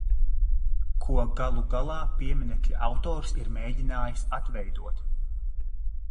Ko galu galā pieminekļa autors ir mēģinājis atveidot.